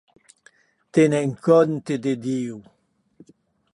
Tiem compde damb Diu.